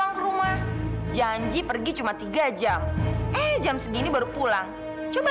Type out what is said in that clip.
aku akan percaya orang lain careanya